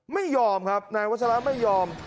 ไม่ยอมครับนายวัชระไม่ยอม